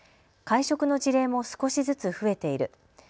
会食の事例も少しずつ増えている。